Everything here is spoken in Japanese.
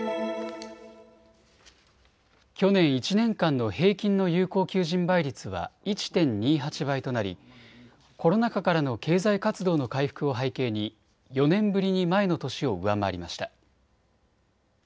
去年１年間の平均の有効求人倍率は１．２８倍となりコロナ禍からの経済活動の回復を背景に４年ぶりに前の年を上回りました。